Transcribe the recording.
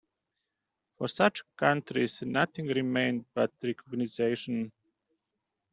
For such countries nothing remained but reorganization.